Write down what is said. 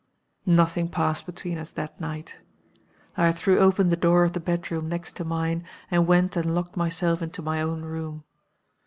"Nothing passed between us that night. I threw open the door of the bedroom next to mine, and went and locked myself into my own room.